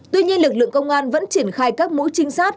tuy nhiên lực lượng công an vẫn triển khai các mũi trinh sát